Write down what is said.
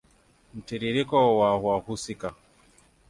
Mtiririko wa wahusika